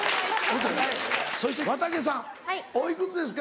そしてわたげさんおいくつですか？